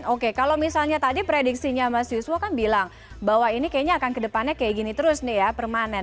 oke kalau misalnya tadi prediksinya mas yuswo kan bilang bahwa ini kayaknya akan kedepannya kayak gini terus nih ya permanen